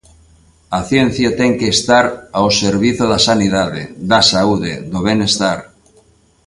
A ciencia ten que estar ao servizo da sanidade, da saúde, do benestar.